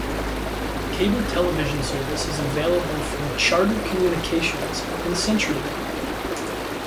Cable television service is available from Charter Communications and CenturyLink.